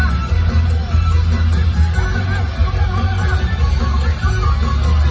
รู้ใครรักใครหรือพอโดนหรอกเอาขอให้ด้วย